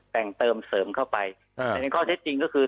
แต่งเติมเสริมเข้าไปแต่ในข้อเท็จจริงก็คือ